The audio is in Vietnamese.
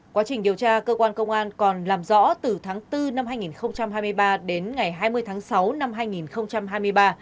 quá trình điều tra cơ quan công an còn làm rõ từ tháng bốn năm hai nghìn hai mươi ba đến ngày hai mươi tháng sáu năm hai nghìn hai mươi ba